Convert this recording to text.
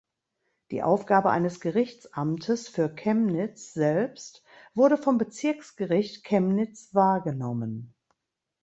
Die Aufgabe eines Gerichtsamtes für Chemnitz selbst wurde vom Bezirksgericht Chemnitz wahrgenommen.